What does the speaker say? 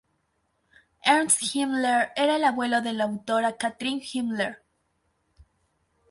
Ernst Himmler era el abuelo de la autora Katrin Himmler.